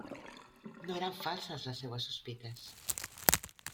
No eren falses les seues sospites!